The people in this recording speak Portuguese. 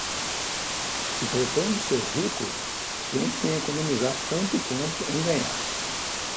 Se pretende ser rico, pense em economizar tanto quanto em ganhar.